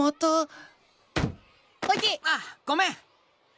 ああごめん。